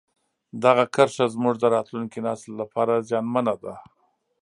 دغه کرښه زموږ د راتلونکي نسل لپاره زیانمنه ده.